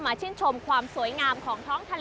ชื่นชมความสวยงามของท้องทะเล